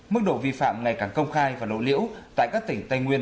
mức độ vi phạm ngày càng công khai và lỗ liễu tại các tỉnh tây nguyên